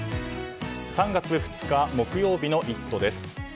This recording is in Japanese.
３月２日、木曜日の「イット！」です。